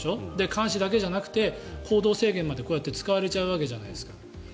監視だけじゃなくて行動制限までこうやって使われちゃうわけじゃないですか。